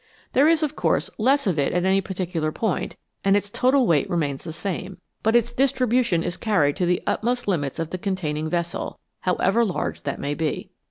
There is, of course, less of it at any particular point, and its total weight remains the same, but its distribution is carried to the utmost limits of the containing vessel, however large that may be.